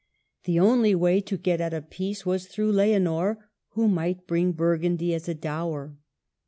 The only way to get at a peace was through Leonor, who might bring Burgundy as a dower.